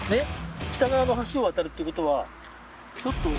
北側の橋を渡るってことは。